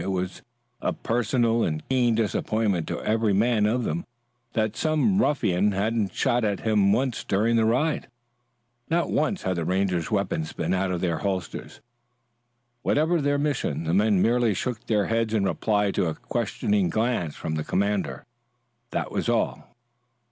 It was a personal and keen disappointment to every man of them that some ruffian hadn't shot at him once during the ride. Not once had the Rangers' weapons been out of their holsters. Whatever their mission the men merely shook their heads in reply to a questioning glance from their commander. That was all.